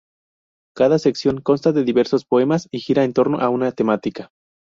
Cada sección consta de diversos poemas y gira en torno a una temática.